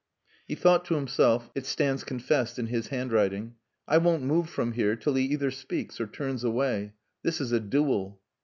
He thought to himself (it stands confessed in his handwriting), "I won't move from here till he either speaks or turns away. This is a duel."